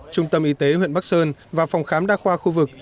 trung tâm y tế huyện bắc sơn và phòng khám đa khoa khu vực